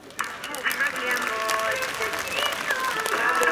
პარალელურად ილიას სახელობის თბილისის უნივერსიტეტის ხაშურის ფილიალის ლექტორი.